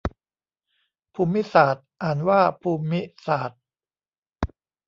ภูมิศาสตร์ อ่านว่า พูมมิสาด